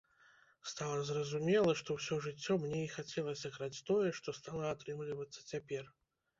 Стала зразумела, што ўсё жыццё мне і хацелася граць тое, што стала атрымлівацца цяпер.